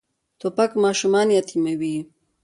توپک ماشومان یتیموي.